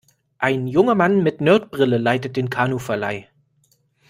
Ein junger Mann mit Nerd-Brille leitet den Kanuverleih.